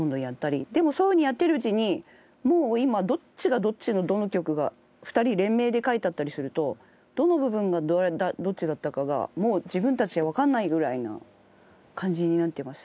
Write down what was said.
でもそういう風にやってるうちにもう今どっちがどっちのどの曲が２人連名で書いてあったりするとどの部分がどっちだったかが自分たちでわかんないぐらいな感じになってます。